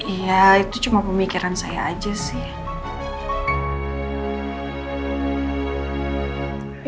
iya itu cuma pemikiran saya aja sih